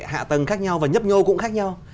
hạ tầng khác nhau và nhấp nhô cũng khác nhau